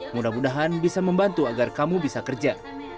mudah mudahan bisa membantu agar kamu bisa kerja